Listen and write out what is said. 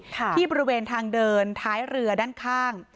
ที่บริเวณทางเดินท้ายเรือด้านข้าง